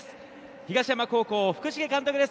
東山高校・福重監督です。